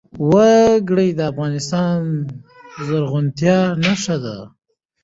وګړي د افغانستان د زرغونتیا نښه ده.